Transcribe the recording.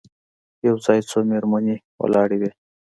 یو ځای څو مېرمنې ولاړې وې.